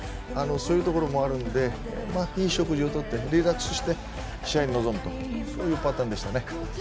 そういうところもあるんでいい食事をとってリラックスして試合に臨むとそういうパターンでしたね。